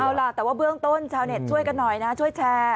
เอาล่ะแต่ว่าเบื้องต้นชาวเน็ตช่วยกันหน่อยนะช่วยแชร์